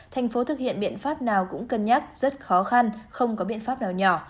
thành phố thực hiện biện pháp nào cũng cân nhắc rất khó khăn không có biện pháp nào nhỏ